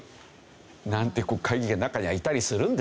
国会議員が中にはいたりするんですよ。